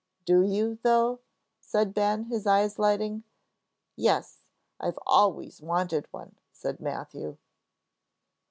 "Do you, though?" said Ben, his eyes lighting. "Yes, I've always wanted one," said Matthew.